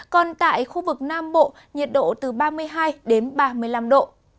còn tại khu vực nam bộ nhiệt độ từ ba mươi hai ba mươi năm độ